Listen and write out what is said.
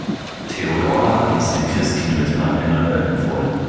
Theodora hat uns den Christkindlesmarkt in Nürnberg empfohlen.